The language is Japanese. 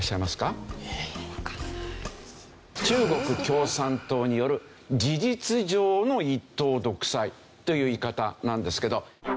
中国共産党による事実上の一党独裁という言い方なんですけど。